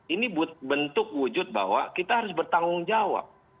ini bentuk wujud bahwa kita harus bertanggung jawab